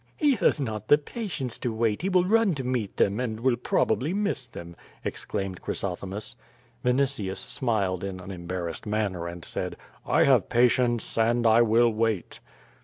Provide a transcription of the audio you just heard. "He has not the patience to wait, he will run to meet them, and will probably miss them,'' exclaimed Chrysothemis. Yinitius smiled in an embarrassed manner and said: "I have patience and I will wait."